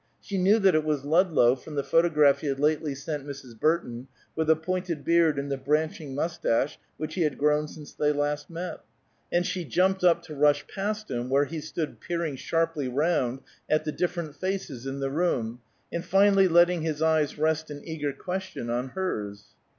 She knew that it was Ludlow, from the photograph he had lately sent Mrs. Burton, with the pointed beard and the branching moustache which he had grown since they met last, and she jumped up to rush past him where he stood peering sharply round at the different faces in the room, and finally letting his eyes rest in eager question on hers.